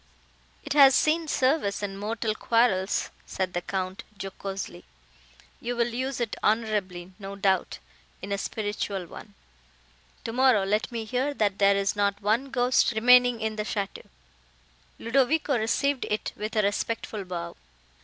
"It has seen service in mortal quarrels," said the Count, jocosely, "you will use it honourably, no doubt, in a spiritual one. Tomorrow, let me hear that there is not one ghost remaining in the château." Ludovico received it with a respectful bow.